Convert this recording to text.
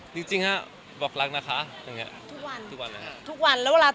ค่ะจุ๊บอะไรล่ะตัวเองพูดอะไรมั้ย